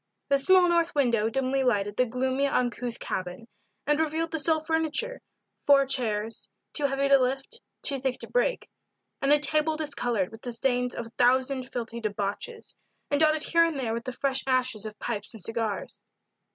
A small north window dimly lighted the gloomy, uncouth cabin, and revealed the sole furniture four chairs, too heavy to lift, too thick to break, and a table discolored with the stains of a thousand filthy debauches and dotted here and there with the fresh ashes of pipes and cigars.